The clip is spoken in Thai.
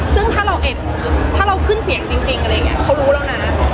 ซึ่งถ้าเราขึ้นเสียงจริงเขารู้แล้วนะ